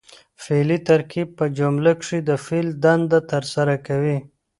فعلي ترکیب په جمله کښي د فعل دنده ترسره کوي.